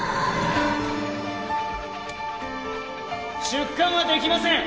出棺はできません！